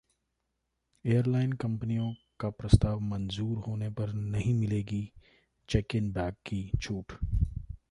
airline कंपनियों का प्रस्ताव मंजूर होने पर नहीं मिलेगी ‘चैक इन बैग’ की छूट